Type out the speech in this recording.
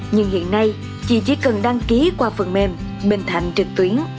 nhưng hiện nay chị chỉ cần đăng ký qua phần mềm bình thạnh trực tuyến